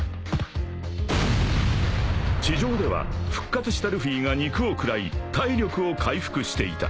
［地上では復活したルフィが肉を食らい体力を回復していた］